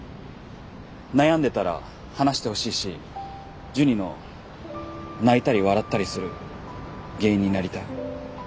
悩んでたら話してほしいしジュニの泣いたり笑ったりする原因になりたい。